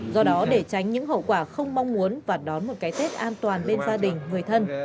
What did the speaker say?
do đó để tránh những hậu quả không mong muốn và đón một cái tết an toàn bên gia đình người thân